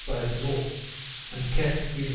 by the N., and kept between the S.